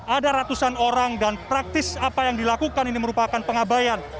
ada ratusan orang dan praktis apa yang dilakukan ini merupakan pengabayan